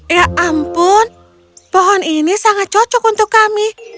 ya ampun pohon ini sangat cocok untuk kami